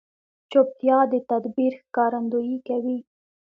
چوپتیا، د تدبیر ښکارندویي کوي.